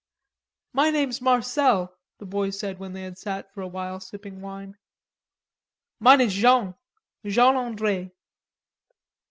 "My name's Marcel," the boy said when they had sat for a while sipping wine. "Mine is Jean...Jean Andre."